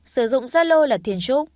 sử dụng giá lô là tiền trúc